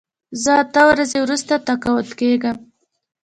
زه اته ورځې وروسته تقاعد کېږم.